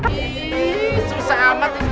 ih susah amat ini